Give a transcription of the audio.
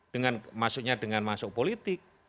dengan masuknya dengan masuk politik